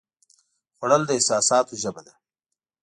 خوړل د احساساتو ژبه ده